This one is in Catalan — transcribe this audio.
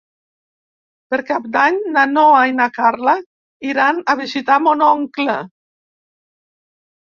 Per Cap d'Any na Noa i na Carla iran a visitar mon oncle.